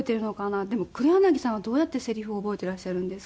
黒柳さんはどうやってセリフを覚えていらっしゃるんですか？